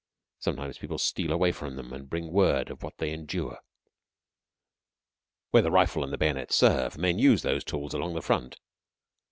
Sometimes people steal away from them and bring word of what they endure. Where the rifle and the bayonet serve, men use those tools along the front.